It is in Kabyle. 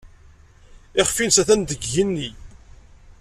Iɣef-nnes atan deg yigenni.